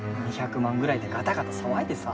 ２００万ぐらいでガタガタ騒いでさ。